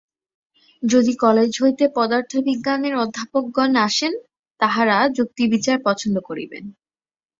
যদি কলেজ হইতে পদার্থবিজ্ঞানের অধ্যাপকগণ আসেন, তাঁহারা যুক্তিবিচার পছন্দ করিবেন।